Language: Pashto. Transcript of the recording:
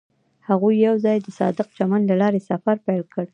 هغوی یوځای د صادق چمن له لارې سفر پیل کړ.